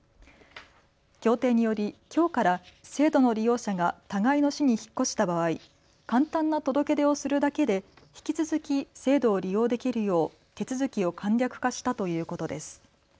協定によりきょうから制度の利用者が互いの市に引っ越した場合、簡単な届け出をするだけで引き続き制度を利用できるよう手続きを簡略化したということです。